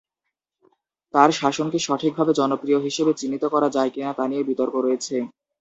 তার শাসনকে সঠিকভাবে জনপ্রিয় হিসেবে চিহ্নিত করা যায় কিনা তা নিয়ে বিতর্ক রয়েছে।